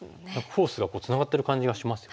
フォースがツナがってる感じがしますよね。